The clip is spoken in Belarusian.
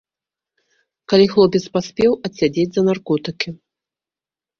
Калі хлопец паспеў адсядзець за наркотыкі.